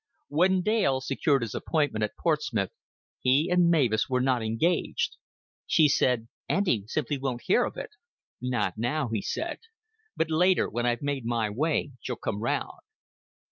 When Dale secured his appointment at Portsmouth, he and Mavis were not engaged. She said, "Auntie simply won't hear of it." "Not now," he said. "But later, when I've made my way, she'll come round.